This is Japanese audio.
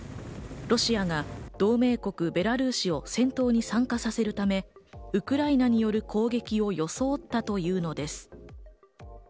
ロシアが同盟国・ベラルーシを戦闘に参加させるためウクライナによる攻撃を装ったというのです。